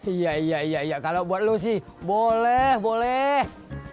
iya iya iya kalau buat lu sih boleh boleh